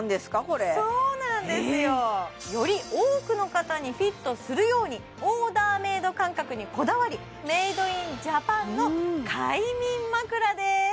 これそうなんですよより多くの方にフィットするようにオーダーメイド感覚にこだわりメイドインジャパンの快眠枕です